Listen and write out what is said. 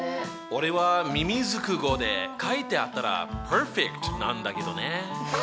俺はみみずく語で書いてあったらＰｅｒｆｅｃｔなんだけどね！